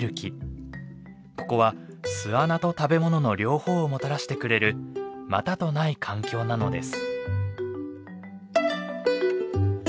ここは巣穴と食べ物の両方をもたらしてくれるまたとない環境なのです。